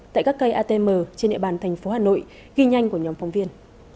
tại các cây atm trên địa bàn thành phố hà nội ghi nhanh của nhóm phóng viên